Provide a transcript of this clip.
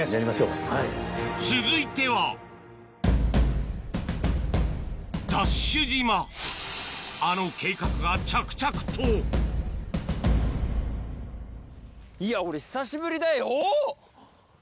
続いてはＤＡＳＨ島あの計画が着々といや俺久しぶりだよおぉ！